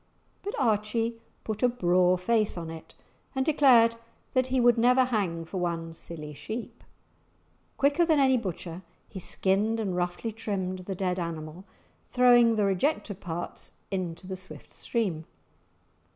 But Archie put a braw face on it, and declared that he would never hang for one silly sheep. Quicker than any butcher he skinned and roughly trimmed the dead animal, throwing the rejected parts into the swift stream.